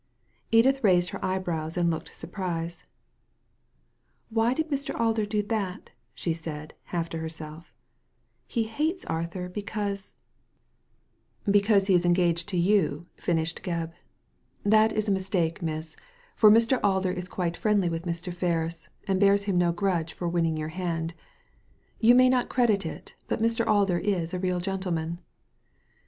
Edith raised her eyebrows and looked surprised. •Why did Mr. Alder do that?" she said, half to herself. " He hates Arthur because " Digitized by Google 174 THE LADY FROM NOWHERE "Because he is engaged to you," finished Grcbb. " That is a mistake, miss ; for Mr. Alder is quite friendly with Mr. Ferris, and bears him no grudge for winning your hand. You may not credit it, but Mr. Alder is a real gentleman."